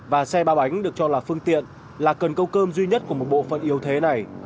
và xe ba bánh được cho là phương tiện là cần câu cơm duy nhất của một bộ phận yếu thế này